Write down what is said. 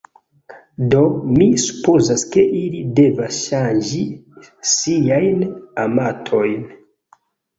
Do, mi supozas ke ili devas ŝanĝi siajn amatojn.